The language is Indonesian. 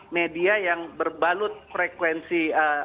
media yang berbalut frekuensi